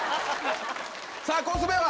さぁコスメは！